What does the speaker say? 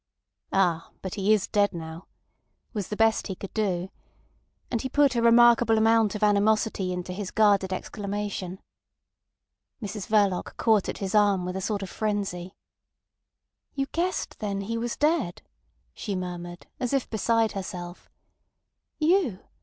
"Ah, but he is dead now," was the best he could do. And he put a remarkable amount of animosity into his guarded exclamation. Mrs Verloc caught at his arm with a sort of frenzy. "You guessed then he was dead," she murmured, as if beside herself. "You!